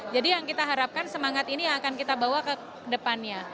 jadi yang kita harapkan semangat ini yang akan kita bawa ke depannya